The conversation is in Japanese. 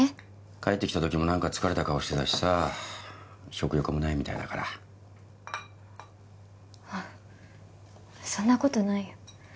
帰ってきた時も何か疲れた顔してたしさ食欲もないみたいだからあっそんなことないよ